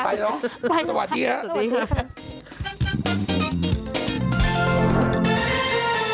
ไปแล้วสวัสดีครับสวัสดีครับไปครับ